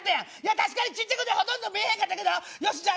「確かにちっちゃくてほとんど見えへんかったけどじゃあ